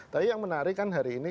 tapi yang menarik kan hari ini